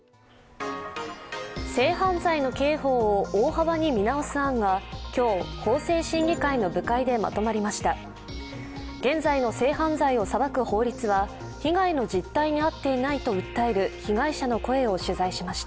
性犯罪の刑法を大幅に見直す案が今日、法制審議会の部会でまとまりました。